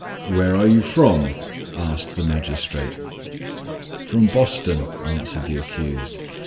"Where are you from?" asked the magistrate. "From Boston," answered the accused.